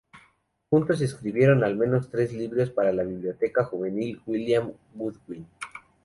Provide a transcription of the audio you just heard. Juntos escribieron al menos tres libros para la Biblioteca Juvenil de William Godwin.